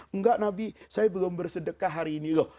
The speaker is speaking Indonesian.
enggak nabi saya belum bersedekah hari ini loh